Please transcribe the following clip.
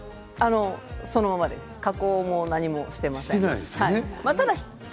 そのままです、加工も何もしていません。